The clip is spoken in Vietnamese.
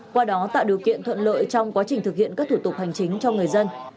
qua đó tạo điều kiện thuận lợi trong quá trình thực hiện các thủ tục hành chính cho người dân